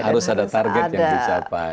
harus ada target yang dicapai